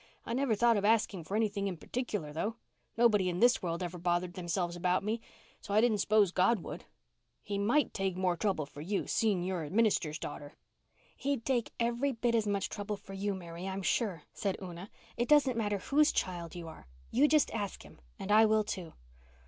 "I never thought of asking for anything in particular though. Nobody in this world ever bothered themselves about me so I didn't s'pose God would. He might take more trouble for you, seeing you're a minister's daughter." "He'd take every bit as much trouble for you, Mary, I'm sure," said Una. "It doesn't matter whose child you are. You just ask Him—and I will, too."